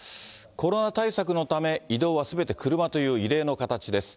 コロナ対策のため、移動はすべて車という異例の形です。